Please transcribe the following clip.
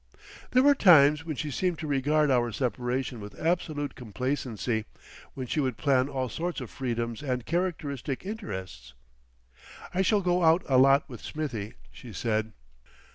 There were times when she seemed to regard our separation with absolute complacency, when she would plan all sorts of freedoms and characteristic interests. "I shall go out a lot with Smithie," she said.